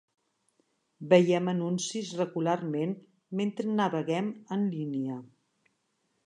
Veiem anuncis regularment mentre naveguem en línia.